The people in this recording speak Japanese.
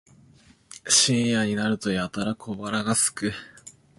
深夜になるとやたら小腹がすく